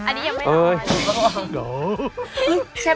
อันนี้ยังไม่ได้